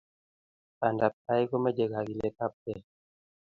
pandaptai komachei kakiletapkei